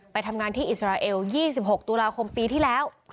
ไปทำงานที่อิสราเอล๒๖ตุลาคมปีที่แล้ว